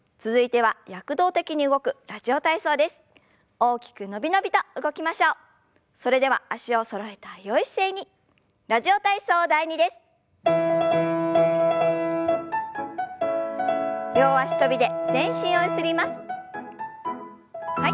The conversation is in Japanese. はい。